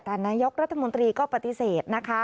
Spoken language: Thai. แต่นายกรัฐมนตรีก็ปฏิเสธนะคะ